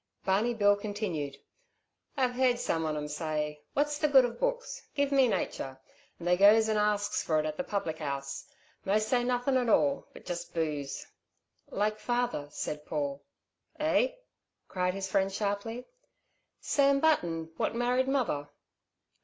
Barney Bill continued: "I've heard some on 'em say: 'What's the good of books? Give me nature,' and they goes and asks for it at the public 'ouse. Most say nothing at all, but just booze." "Like father," said Paul. "Eh?" cried his friend sharply. "Sam Button, what married mother."